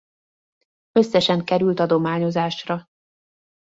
Összesen került adományozásra.